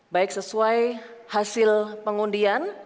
baik sesuai hasil pengundian